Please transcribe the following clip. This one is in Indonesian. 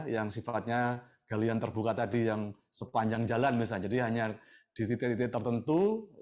yang sifatnya galian terbuka tadi yang sepanjang jalan misalnya jadi hanya di titik titik tertentu